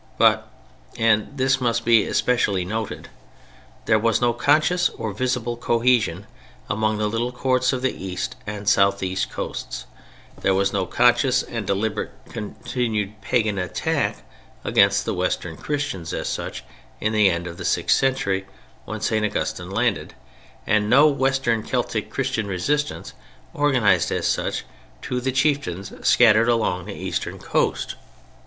But—and this must be especially noted—there was no conscious or visible cohesion among the little courts of the east and southeast coasts; there was no conscious and deliberate continued pagan attack against the Western Christians as such in the end of the sixth century when St. Augustine landed, and no Western Celtic Christian resistance, organized as such, to the chieftains scattered along the eastern coast.